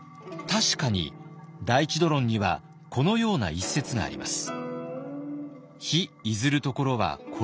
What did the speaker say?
確かに「大智度論」にはこのような一節があります。